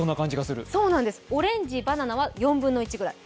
オレンジ、バナナは４分の１くらい。